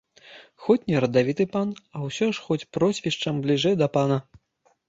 Хоць не радавіты пан, а ўсё ж хоць прозвішчам бліжэй да пана.